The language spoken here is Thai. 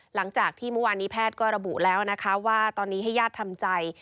หลังจากที่เมื่อวานนี้แพทย์ก็ระบุแล้วนะคะว่าตอนนี้ให้ญาติทำใจ